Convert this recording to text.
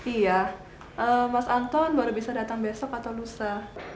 iya mas anton baru bisa datang besok atau lusa